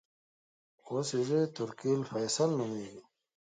اوس یې زوې ترکي الفیصل نومېږي.